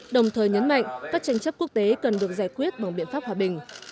đồng thời nhấn mạnh các tranh chấp quốc tế cần được giải quyết bằng biện pháp hòa bình